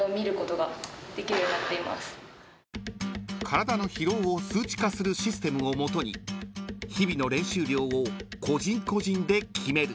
［体の疲労を数値化するシステムを基に日々の練習量を個人個人で決める］